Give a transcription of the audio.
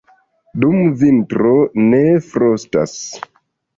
Dum vintro ne frostas.